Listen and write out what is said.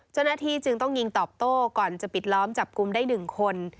เจ้าหน้าที่จึงต้องยิงตอบโต้ก่อนจะปิดล้อมจับกลุ่มได้๑คน